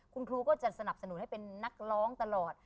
คุณครูก็จะสนับสนุนให้เป็นนักร้องตลอด